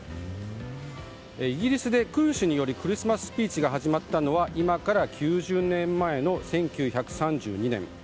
イギリスで君主によるクリスマススピーチが始まったのは今から９０年前の１９３２年。